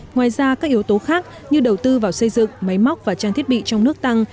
ngoài ra các yếu tố khác như đầu tư vào xây dựng máy móc và trang thiết bị trong nước tăng